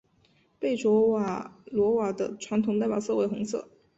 贝卓罗瓦的传统代表色为红色。